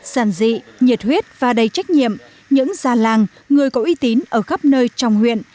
sản dị nhiệt huyết và đầy trách nhiệm những già làng người có uy tín ở khắp nơi trong huyện